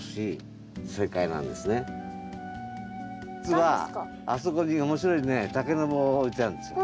実はあそこに面白いね竹の棒を置いてあるんですよ。